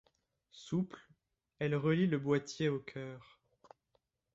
Souples, elles relient le boîtier au cœur.